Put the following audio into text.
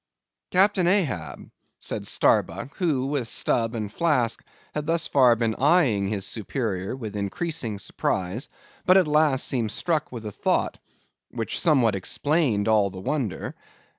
"Captain Ahab," said Starbuck, who, with Stubb and Flask, had thus far been eyeing his superior with increasing surprise, but at last seemed struck with a thought which somewhat explained all the wonder.